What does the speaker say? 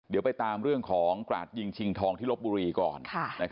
เดี๋ยวไปตามเรื่องของกราดยิงชิงทองที่ลบบุรีก่อน